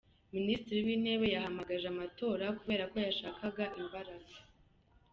"Minisitiri w'Intebe yahamagaje amatora kubera ko yashakaga imbaraga.